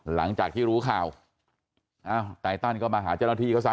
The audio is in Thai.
หลังจากที่รู้ข่าวอ้าวไตตันก็มาหาเจ้าหน้าที่เขาซะ